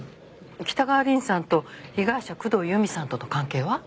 北川凛さんと被害者工藤由美さんとの関係は？